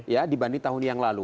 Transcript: ya dibanding tahun yang lalu